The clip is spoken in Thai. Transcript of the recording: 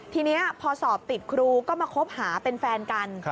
ทีนี้พอสอบติดครูก็มาคบหาเป็นแฟนกัน